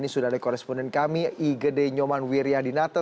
sudah ada koresponden kami i gede nyoman wiryadinata